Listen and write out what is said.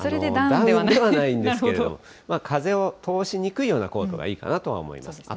ダウンではないんですけれども、風を通しにくいようなコートがいいかなとは思います。